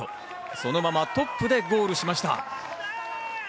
そのままトップでゴールしました。